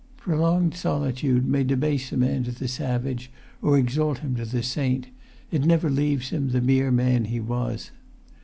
Prolonged solitude may debase a man to the savage or exalt him to the saint; it never leaves him the mere man he was.